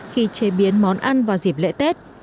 khi chế biến món ăn vào dịp lễ tết